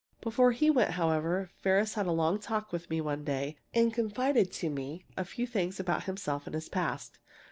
Before he went, however, Ferris had a long talk with me one day, and confided to me a few things about himself and his past.